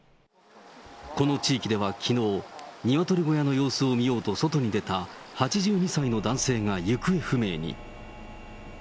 この地域ではきのう、鶏小屋の様子を見ようと外に出た８２歳の男性が行方不明に。